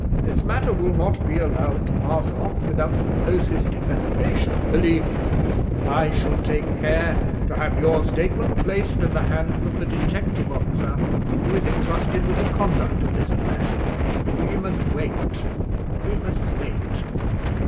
This matter will not be allowed to pass off without the closest investigation, believe me. I shall take care to have your statement placed in the hands of the detective officer who is entrusted with the conduct of this affair. We must wait—we must wait.